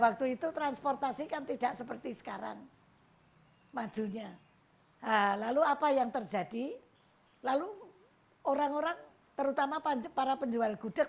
kepala pembangunan gudeg